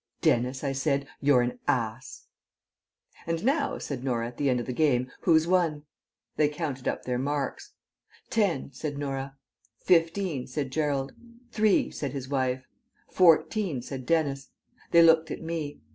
"Dennis," I said, "you're an ass." ..... "And now," said Norah at the end of the game, "who's won?" They counted up their marks. "Ten," said Norah. "Fifteen," said Gerald. "Three," said his wife. "Fourteen," said Dennis. They looked at me.